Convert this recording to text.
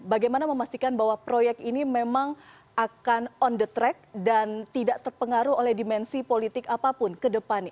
bagaimana memastikan bahwa proyek ini memang akan on the track dan tidak terpengaruh oleh dimensi politik apapun ke depannya